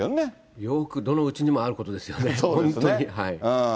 よく、どのうちにもあることですよね、本当に。